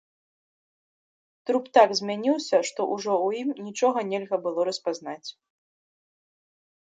Труп так змяніўся, што ўжо ў ім нічога нельга было распазнаць.